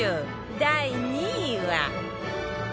第２位は